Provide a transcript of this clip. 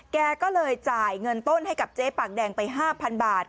แกก็เลยจ่ายเงินต้นให้กับเจ๊ปากแดงไป๕๐๐บาท